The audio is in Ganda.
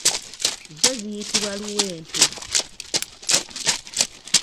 Zo ziyitibwa luwempe.